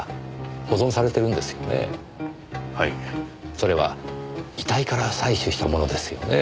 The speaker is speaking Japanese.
それは遺体から採取したものですよね？